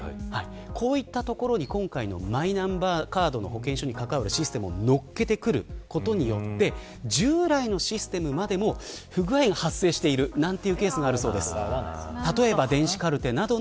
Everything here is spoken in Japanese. こういったところに今回のマイナンバーカード保険証に関わるシステムをのっけてくることによって従来のシステムまで不具合が発生しているというケースがあるようです。